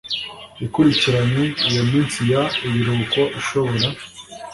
ikurikiranye iyo minsi y ibiruhuko ishobora